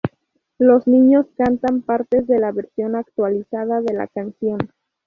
Los niños cantan partes de la versión actualizada de la canción.